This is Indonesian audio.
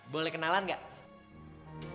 boleh kenalan gak